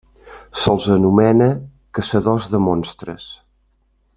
Se'ls anomena caçadors de Monstres.